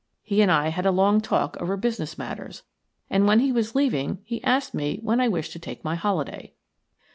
He and I had a long talk over business matters, and when he was leaving he asked me when I wished to take my holiday.